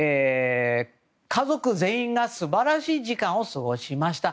家族全員が素晴らしい時間を過ごしました。